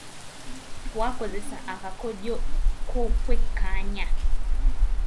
Twakozesa akakodyo k’okwekkaanya.